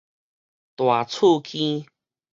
大厝坑